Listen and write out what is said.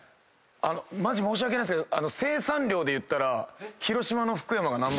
マジ申し訳ないですけど。